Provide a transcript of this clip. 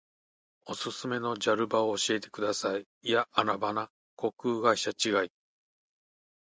おすすめのジャル場を教えてください。いやアナ場な。航空会社違い。